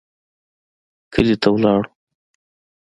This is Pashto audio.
کلي ته ولاړو.